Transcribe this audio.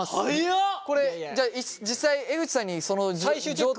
これじゃあ実際江口さんにその状態